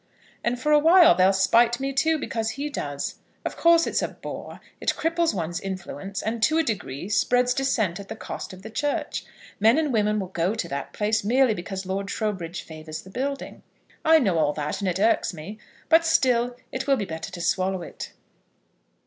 "And for awhile they'll spite me too, because he does. Of course it's a bore. It cripples one's influence, and to a certain degree spreads dissent at the cost of the Church. Men and women will go to that place merely because Lord Trowbridge favours the building. I know all that, and it irks me; but still it will be better to swallow it."